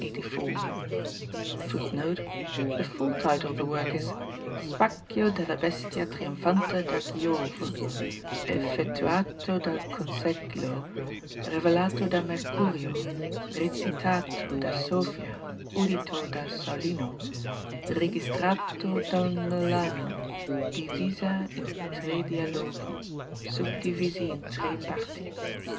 [Footnote: The full title of the work is: _Spaccio della bestia triomphante da giove, effetuato dal conseglo, revelato da Mercurio, recitato da sofia, udito da saulino, registrato dal nolano, divisa in tre dialogi, subdivisi in tre parti.